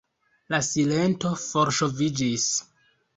La silento forŝoviĝis.